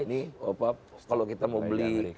ini kalau kita mau beli